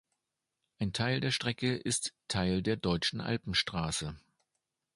Ein Teil der Strecke ist Teil der Deutschen Alpenstraße.